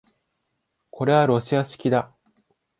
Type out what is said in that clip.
これはロシア式だ